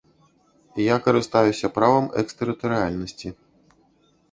Я карыстаюся правам экстэрытарыяльнасці.